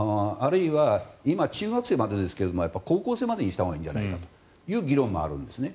あるいは、今、中学生までですが高校生までにしたほうがいいんじゃないかという議論があるんです。